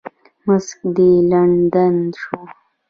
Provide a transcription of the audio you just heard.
مسکن دې لندن شو.